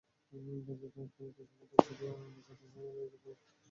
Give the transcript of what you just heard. বাজেটে অর্থনৈতিক সমতা ফিরিয়ে আনার কথা বলা হয়েছে, কিন্তু কোনো নির্দেশনা নেই।